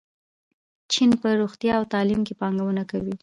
چین په روغتیا او تعلیم کې پانګونه کوي.